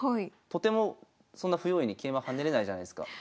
とてもそんな不用意に桂馬跳ねれないじゃないすか。